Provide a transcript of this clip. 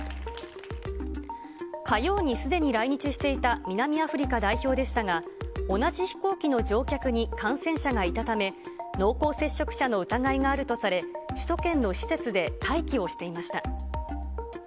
火曜にすでに来日していた南アフリカ代表でしたが、同じ飛行機の乗客に感染者がいたため、濃厚接触者の疑いがあるとされ、首都圏の施設で待機をしていました。